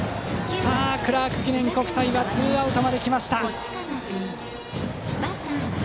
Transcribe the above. クラーク記念国際はツーアウトまで来ました。